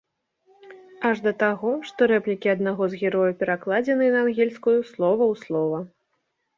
Аж да таго, што рэплікі аднаго з герояў перакладзеныя на ангельскую слова ў слова.